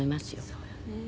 そうよね。